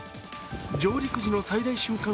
上陸時の最大瞬間